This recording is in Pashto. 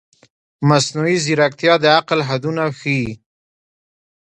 مصنوعي ځیرکتیا د عقل حدونه ښيي.